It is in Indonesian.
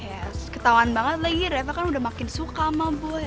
ya ketauan banget lagi reva kan udah makin suka sama boy